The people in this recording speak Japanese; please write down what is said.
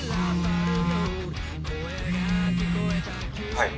はい。